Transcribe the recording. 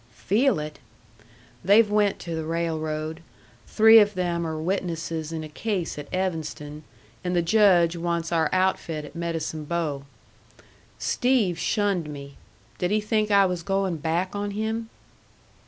"Feel it! they've went to the railroad. Three of them are witnesses in a case at Evanston, and the Judge wants our outfit at Medicine Bow. Steve shunned me. Did he think I was going back on him?"